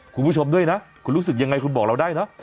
คุณผู้ชมด้วยนะคุณรู้สึกยังไงคุณบอกเราได้นะ